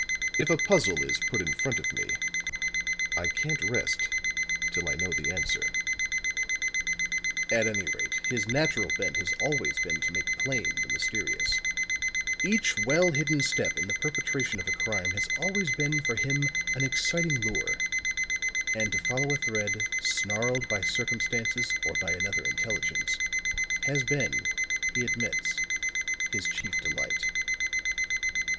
"If a puzzle is put in front of me I can't rest till I know the answer." At any rate his natural bent has always been to make plain the mysterious; each well hidden step in the perpetration of a crime has always been for him an exciting lure; and to follow a thread, snarled by circumstances or by another intelligence has been, he admits, his chief delight.